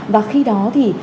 và khi đó thì